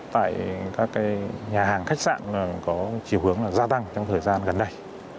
tại các nhà hàng khách sạn có chiều hướng gia tăng trong thời gian gần đây